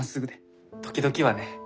時々はね